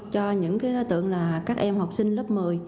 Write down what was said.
cho những đối tượng là các em học sinh lớp một mươi